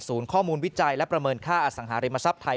ข้อมูลวิจัยและประเมินค่าอสังหาริมทรัพย์ไทย